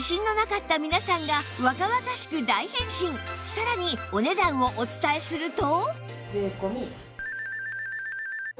さらにお値段をお伝えすると